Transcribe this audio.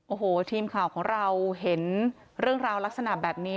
โอ้โหทีมข่าวของเราเห็นเรื่องราวลักษณะแบบนี้